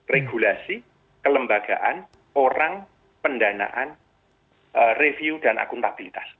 regulasi kelembagaan orang pendanaan review dan akuntabilitas